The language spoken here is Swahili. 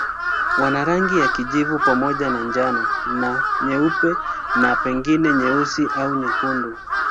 Wana rangi ya kijivu pamoja na njano na nyeupe na pengine nyeusi au nyekundu.